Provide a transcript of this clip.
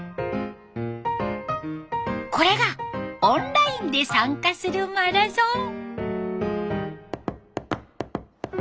これがオンラインで参加するマラソン。